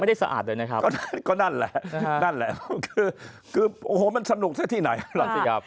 ไม่ได้สะอาดเลยนะครับก็นั่นแหละมันสนุกซะที่ไหนครับ